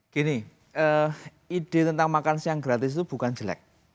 gini ide tentang makan siang gratis itu bukan jelek